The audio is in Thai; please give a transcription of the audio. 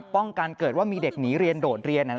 ป้องกันเกิดว่ามีเด็กหนีเรียนโดดเรียน